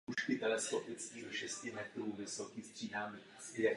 Pod podlahou kostela se nachází tři krypty.